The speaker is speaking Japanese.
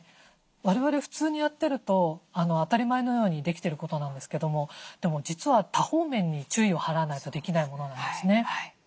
我々普通にやってると当たり前のようにできてることなんですけどもでも実は多方面に注意を払わないとできないものなんですね。